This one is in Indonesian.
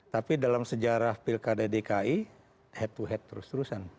tapi dalam sejarah pilkada dki head to head terus terusan